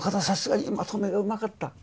さすがにまとめがうまかった。